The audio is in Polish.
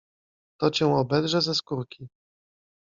To cię obedrze ze skórki.